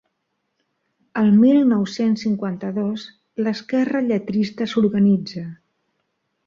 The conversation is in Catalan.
El mil nou-cents cinquanta-dos, l'esquerra lletrista s'organitza.